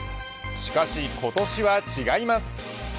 しかし、今年は違います。